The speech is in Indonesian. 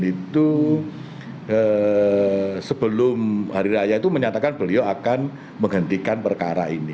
itu sebelum hari raya itu menyatakan beliau akan menghentikan perkara ini